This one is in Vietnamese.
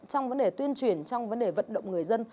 trong vấn đề tuyên truyền trong vấn đề vận động người dân